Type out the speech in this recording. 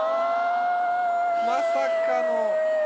まさかの。